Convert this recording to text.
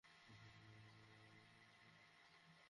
তুই কীভাবে সন্দেশ অপছন্দ করতে পারিস, কিজি?